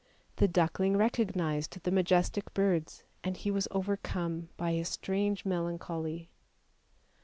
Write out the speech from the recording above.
The duckling recognised the majestic birds, and he was overcome by a strange melancholy.